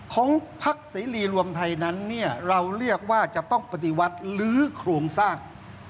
ของพักเสรีรวมไทยนั้นเนี่ยเราเรียกว่าจะต้องปฏิวัติลื้อโครงสร้าง